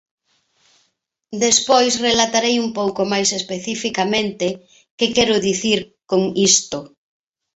Despois relatarei un pouco máis especificamente que quero dicir con isto.